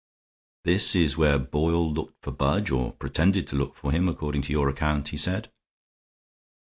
"This is where Boyle looked for Budge, or pretended to look for him, according to your account," he said.